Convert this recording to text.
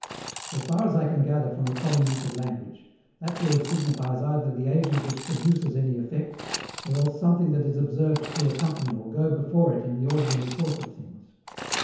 So far as I can gather from the common use of language, that word signifies either the agent which produces any effect, or else something that is observed to accompany or go before it in the ordinary course of things.